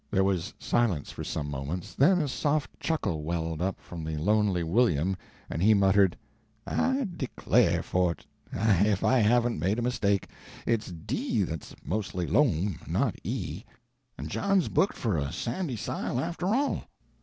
There was silence for some moments; then a soft chuckle welled up from the lonely William, and he muttered: "I declare for 't, if I haven't made a mistake! It's D that's mostly loom, not E. And John's booked for a sandy sile after all."